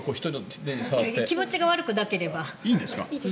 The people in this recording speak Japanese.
気持ちが悪くなければ。